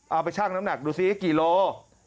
เอาไปชั่งน้ำหนักดูสิกี่โลกรัม